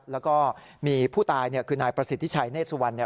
แล้วก็มีผู้ตายคือนายประสิทธิ์ทิชัยเนธสุวรรณ